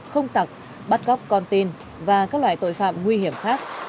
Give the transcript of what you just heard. không tặc bắt cóc con tin và các loại tội phạm nguy hiểm khác